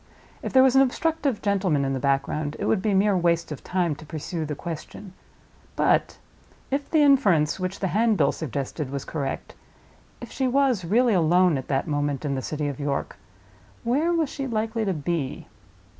If there was an obstructive gentleman in the background, it would be mere waste of time to pursue the question. But if the inference which the handbill suggested was correct—if she was really alone at that moment in the city of York—where was she likely to be?